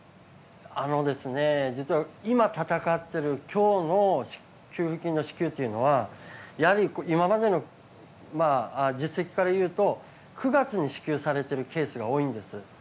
実は今、闘っている今日の給付金の支給というのはやはり、今までの実績からいうと９月に支給されているケースが多いんです。